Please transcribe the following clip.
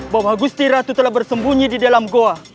bahwa gusti ratu telah bersembunyi di dalam goa